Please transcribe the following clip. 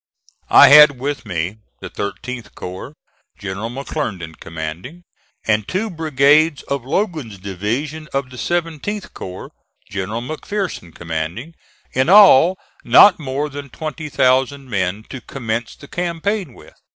I had with me the 13th corps, General McClernand commanding, and two brigades of Logan's division of the 17th corps, General McPherson commanding in all not more than twenty thousand men to commence the campaign with.